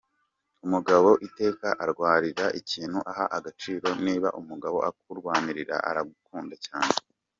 Umugabo iteka arwarira ikintu aha agaciro niba umugabo akurwanirira aragukunda cyane.